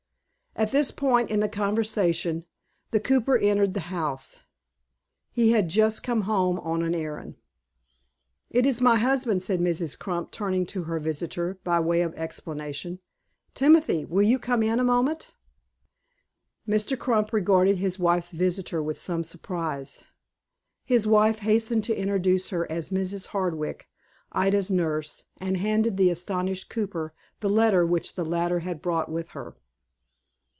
At this point in the conversation, the cooper entered the house. He had just come home on an errand. "It is my husband," said Mrs. Crump, turning to her visitor, by way of explanation. "Timothy, will you come in a moment?" Mr. Crump regarded his wife's visitor with some surprise. His wife hastened to introduce her as Mrs. Hardwick, Ida's nurse, and handed to the astonished cooper the letter which the latter had brought with her.